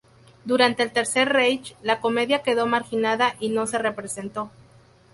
Durante el Tercer Reich la comedia quedó marginada y no se representó.